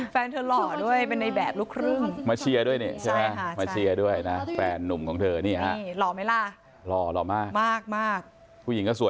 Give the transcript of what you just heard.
เพราะเธอมีแฟนแล้ว